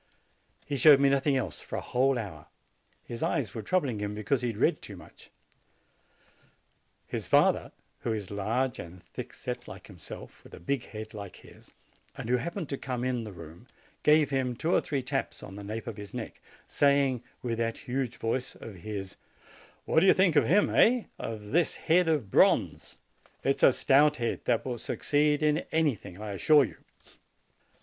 He showed me nothing else for a whole hour. His eyes were troubling him, because he had read too much. His father, who is large and thickset like himself, with a big head like his, and who happened to come in the room, gave him two or three taps on the nape of the neck, saying with that huge voice of his : "What do you think of him, eh? of this head of bronze? It is a stout head, that will succeed in any thing, I assure you!"